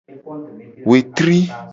Wetri.